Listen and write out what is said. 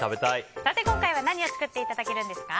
今回は何を作っていただけるんですか？